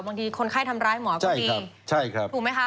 บางทีคนไข้ทำร้ายหมอก็ดีถูกไหมคะ